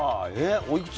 おいくつ？